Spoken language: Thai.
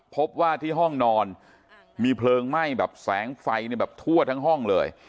พบว่าที่ห้องนอนมีเพลิงไหม้แบบแสงไฟเนี่ยแบบทั่วทั้งห้องเลย